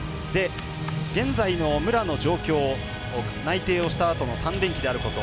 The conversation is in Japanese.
現在の武良の状況内定をしたあとの鍛錬期であること